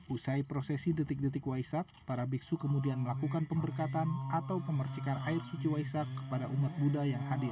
usai prosesi detik detik waisak para biksu kemudian melakukan pemberkatan atau pemercikan air suci waisak kepada umat buddha yang hadir